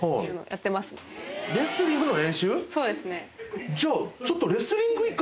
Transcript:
そうですね。